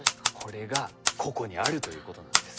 これがここにあるということなんです。